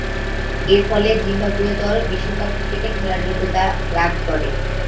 এরফলে জিম্বাবুয়ে দল বিশ্বকাপ ক্রিকেটে খেলার যোগ্যতা লাভ করে।